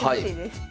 はい。